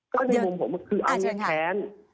ก็ในมุมผมคืออันนี้แค้น